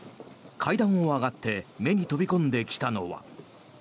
階段を上がって目に飛び込んできたのは。